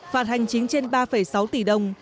phạt hành chính trên ba sáu tỷ đồng